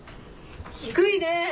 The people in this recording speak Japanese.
低いねぇ。